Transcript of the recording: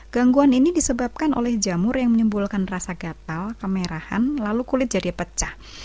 gangguan ini disebabkan oleh jamur yang menimbulkan rasa gatal kemerahan lalu kulit jadi pecah